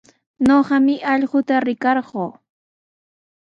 Ñuqami allquta rikarquu.